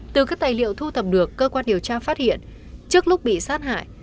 từ các tài liệu thu thập được cơ quan điều tra phát hiện trước lúc bị sát hại